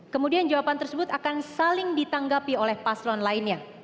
kemudian jawaban tersebut akan saling ditanggapi oleh paslon lainnya